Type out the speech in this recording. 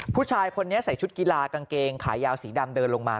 ผู้ชายคนนี้ใส่ชุดกีฬากางเกงขายาวสีดำเดินลงมา